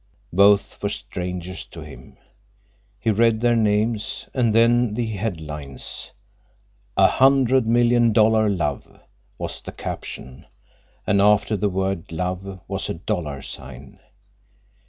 Both were strangers to him. He read their names, and then the headlines. "A Hundred Million Dollar Love" was the caption, and after the word love was a dollar sign.